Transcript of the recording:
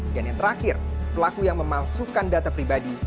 dan yang terakhir pelaku yang memaksudkan data pribadi